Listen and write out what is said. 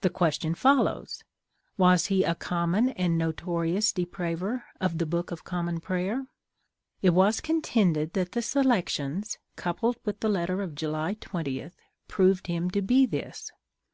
The Question follows, Was he a common and notorious depraver of the Book of Common Prayer? It was contended that the Selections, coupled with the letter of July 20, proved him to be this.